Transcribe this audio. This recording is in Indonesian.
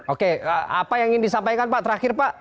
oke apa yang ingin disampaikan pak terakhir pak